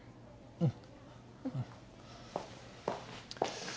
うん。